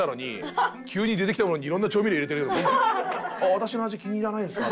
私の味気に入らないんですか？